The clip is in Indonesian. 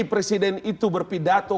presiden itu berpidato